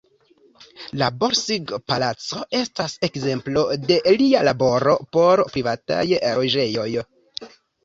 La Borsig-palaco estas ekzemplo de lia laboro por privataj loĝejoj.